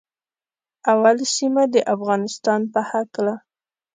اول سیمه د افغانستان په هکله